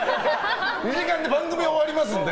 ２時間で番組は終わりますので。